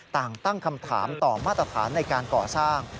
ต่างตั้งคำถามต่อมาตรฐานในการก่อสร้าง